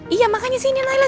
iya makanya sini nailah